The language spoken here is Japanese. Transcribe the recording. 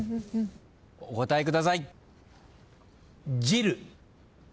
お答えください。